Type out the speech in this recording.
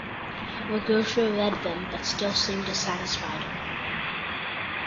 The grocer read them, but still seemed dissatisfied.